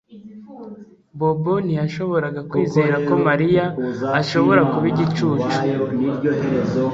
Bobo ntiyashoboraga kwizera ko Mariya ashobora kuba igicucu